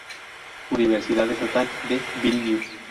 Universidad Estatal de Vilnius.